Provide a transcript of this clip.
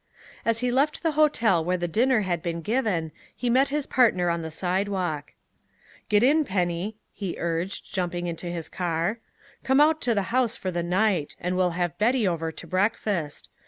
As he left the hotel where the dinner had been given, he met his partner on the sidewalk. "Get in, Penny," he urged, jumping into his car. "Come out to the house for the night, and we'll have Betty over to breakfast.